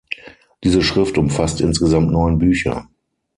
Diese Schrift umfasst insgesamt neun Bücher.